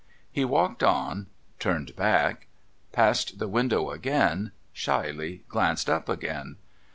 He walked on, turned back, passed the window again, shyly glanced up again.